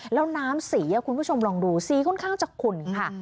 แล้วน้ำสีคุณผู้ชมลองดูสีค่อนข้างจะขุ่นค่ะ